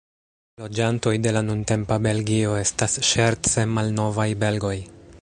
Loĝantoj de la nuntempa Belgio estas ŝerce "malnovaj belgoj".